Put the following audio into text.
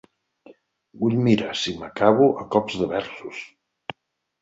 Vull mirar si m’acabo a cops de versos.